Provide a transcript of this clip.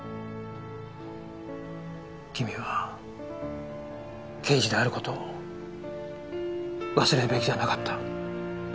君は刑事である事を忘れるべきじゃなかった。